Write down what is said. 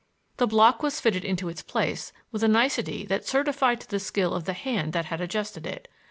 The block was fitted into its place with a nicety that certified to the skill of the hand that had adjusted it.